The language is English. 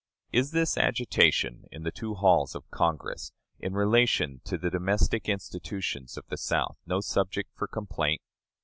Is this agitation in the two halls of Congress, in relation to the domestic institutions of the South, no subject for complaint?